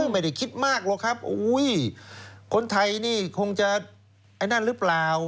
ไม่ได้คิดมากหรอกครับคนไทยนี่คงจะไอ้นั่นหรือเปล่า